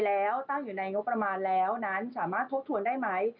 แล้วนั้นสามารถทบทวนได้ไหม